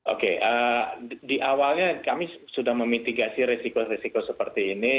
oke di awalnya kami sudah memitigasi resiko resiko seperti ini